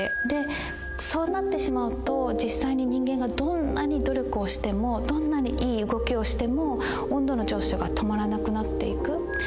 でそうなってしまうと実際に人間がどんなに努力をしてもどんなにいい動きをしても温度の上昇が止まらなくなっていく。